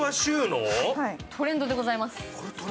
トレンドでございます。